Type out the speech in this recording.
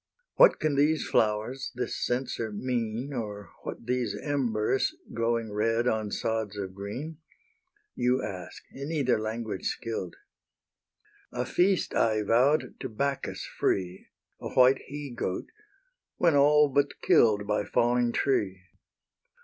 What can these flowers, this censer mean Or what these embers, glowing red On sods of green? You ask, in either language skill'd! A feast I vow'd to Bacchus free, A white he goat, when all but kill'd By falling tree.